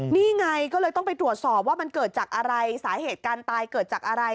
นี่ไงก็เลยต้องไปตรวจสอบว่ามันเกิดจากอะไรสาเหตุการณ์ตายเกิดจากอะไร